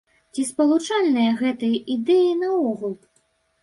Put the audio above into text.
Ці спалучальныя гэтыя ідэі наогул?